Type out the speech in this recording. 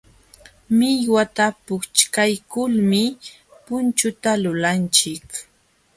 Millwata puchkaykulmi punchuta lulanchik.